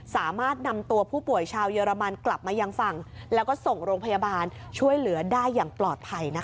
สามารถนำตัวผู้ป่วยชาวเยอรมันกลับมายังฝั่งแล้วก็ส่งโรงพยาบาลช่วยเหลือได้อย่างปลอดภัยนะคะ